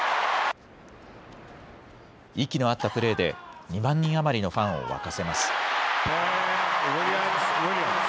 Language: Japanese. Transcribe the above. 息の合ったプレーで、２万人余りのファンを沸かせます。